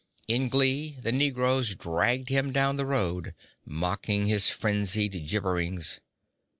In glee the negroes dragged him down the road, mocking his frenzied gibberings.